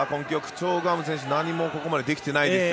チョ・グハム選手何もここまでできてないですよ。